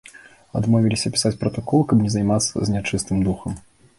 Адмовіліся пісаць пратакол, каб не займацца з нячыстым духам.